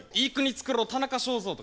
つくろう田中正造とか。